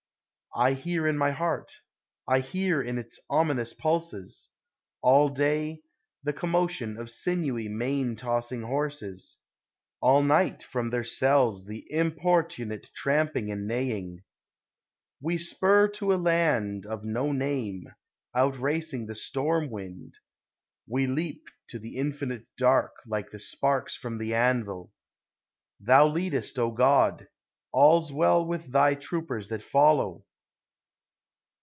J hear in my heart, I hear in its ominous pulses. All day, the commotion of sinewy, mane tossing horses, AU nighty from their cells, the importunate tramping am/ neighing. We spur to a land of no name, out racing the storm wind ; 2G0 POEMS OF SENTIMENT. We leap to the infinite dark, like the sparks from the anvil. Thou leadest, O God ! All 's well with Thy troopers that follow